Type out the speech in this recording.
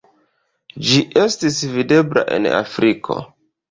Ĝi estis videbla en Afriko.